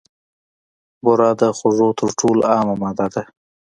بوره د خوږو تر ټولو عامه ماده ده.